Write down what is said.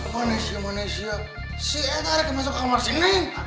manisnya manisnya si eta reken masuk kamar sini